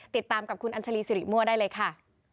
ติดตามกับคุณอัญชาลีสิริมั่วได้เลยค่ะ